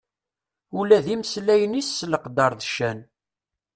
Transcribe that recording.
Ula d imesllayen-is s leqder d ccan.